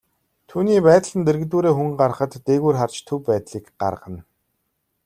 Түүний байдал нь дэргэдүүрээ хүн гарахад, дээгүүр харж төв байдлыг гаргана.